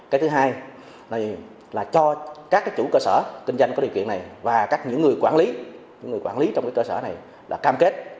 cái thứ hai là cho các chủ cơ sở kinh doanh có điều kiện này và các người quản lý trong cơ sở này là cam kết